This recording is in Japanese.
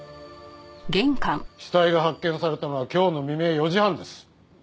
死体が発見されたのは今日の未明４時半です。